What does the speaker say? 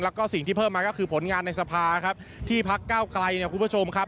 แล้วก็สิ่งที่เพิ่มมาก็คือผลงานในสภาครับที่พักเก้าไกลเนี่ยคุณผู้ชมครับ